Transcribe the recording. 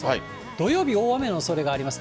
土曜日、大雨のおそれがあります。